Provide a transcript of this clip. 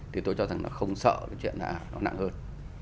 thì tôi cho rằng nó không sợ cái chuyện là nó nặng hơn